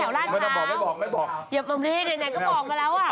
เดี๋ยวมันมีแดดแดดก็บอกไปแล้วอ่ะ